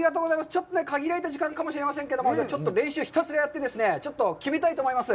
ちょっと限られた時間かもしれませんが、ちょっと練習をひたすらやって、決めたいと思います。